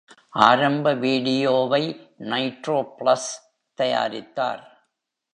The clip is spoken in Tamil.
ஆரம்ப வீடியோவை நைட்ரோப்ளஸ் தயாரித்தார்.